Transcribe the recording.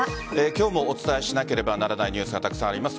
今日もお伝えしなければならないニュースがたくさんあります。